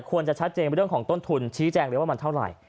ควรจะชัดเจนเรื่องของต้นทุนชี้แจงเลยว่ามันเท่าไหร่